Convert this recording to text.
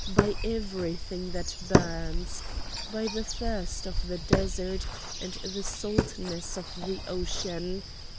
by everything that burns! by the thirst of the desert and the saltness of the ocean!